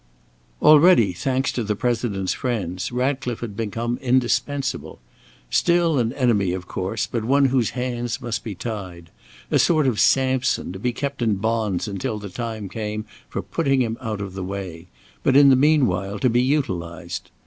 Already, thanks to the President's friends, Ratcliffe had become indispensable; still an enemy, of course, but one whose hands must be tied; a sort of Sampson, to be kept in bonds until the time came for putting him out of the way, but in the meanwhile, to be utilized.